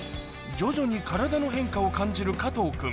徐々に体の変化を感じる加藤君